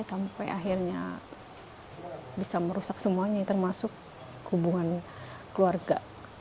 sampai akhirnya bisa merusak semuanya termasuk hubungan keluarga